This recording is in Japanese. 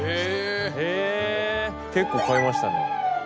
結構買いましたね。